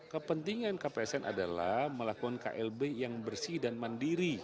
kepentingan kpsn adalah melakukan klb yang bersih dan mandiri